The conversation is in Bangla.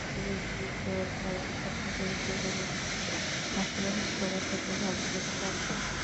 যদি তোর ভাইয়ের সাথে পরিচয় করিয়ে দিতি, আশেপাশের সবার সাথে ভাব নিতে পারতাম।